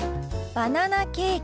「バナナケーキ」。